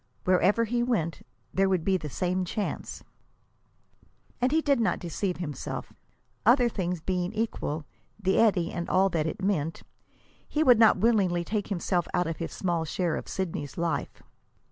Wherever he went, there would be the same chance. And he did not deceive himself. Other things being equal, the eddy and all that it meant , he would not willingly take himself out of his small share of Sidney's life.